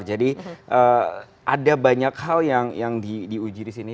jadi ada banyak hal yang diuji di sini